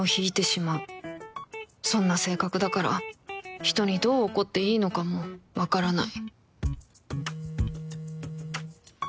そんな性格だから人にどう怒っていいのかもわからない